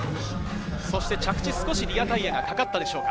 着地、少しリアタイヤがかかったでしょうか。